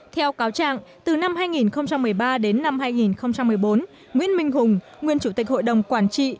theo cáo trạng từ năm hai nghìn một mươi ba đến năm hai nghìn một mươi bốn nguyễn minh hùng nguyên chủ tịch hội đồng quản trị